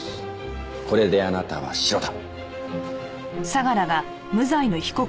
これであなたはシロだ。